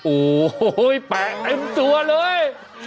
โอ้ยแปะแตงสัวเลย